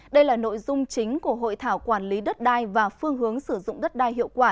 đây là nội dung chính của hội thảo quản lý đất đai và phương hướng sử dụng đất đai hiệu quả